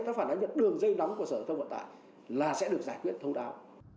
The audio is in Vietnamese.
người ta phản ánh được đường dây nóng của sở hữu thông vận tải là sẽ được giải quyết thông đáo